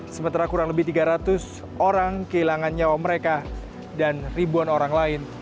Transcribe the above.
sementara kurang lebih tiga ratus orang kehilangan nyawa mereka dan ribuan orang lain